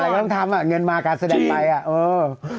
อะไรก็ต้องทำเงินมากับการแสดงไป